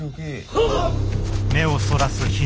はっ！